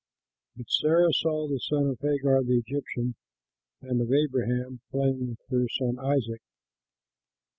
But Sarah saw the son of Hagar the Egyptian and of Abraham playing with her son Isaac.